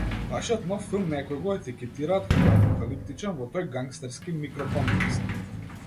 Вашиот нов филм некои го етикетираат како апокалиптичен во тој гангстерски микроконтекст.